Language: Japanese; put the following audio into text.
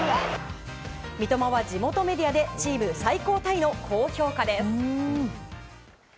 三笘は地元メディアでチーム最高タイの高評価です。